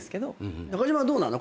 中島はどうなの？